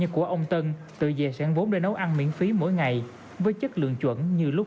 cũng tồi tốn quá khó chịu lắm chứ